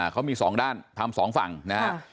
เขามี๒ด้านทำ๒ฝั่งนะฮะ